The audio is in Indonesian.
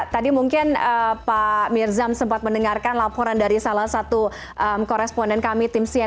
tadi mungkin pak mirzam sempat mendengarkan laporan dari salah satu koresponden kami tim cnn